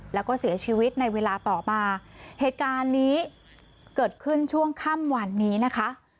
แล้วก็เสียชีวิตในเวลาต่อมาเหตุการณ์นี้เกิดขึ้นช่วงค่ำวันนี้นะคะ